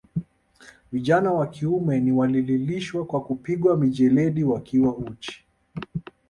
Vijana wa kiume ni walilishwa kwa kupigwa mijeledi wakiwa uchi